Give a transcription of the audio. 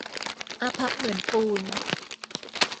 อาภัพเหมือนปูน